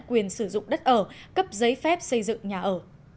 quyền sử dụng đất ở cấp giấy phép xây dựng nhà ở